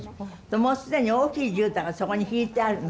もう既に大きいじゅうたんがそこに敷いてあるの。